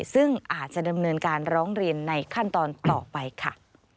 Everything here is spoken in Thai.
ซึ่งอาจจะดำเนินการร้องเรียนในขั้นตอนต่อไปค่ะ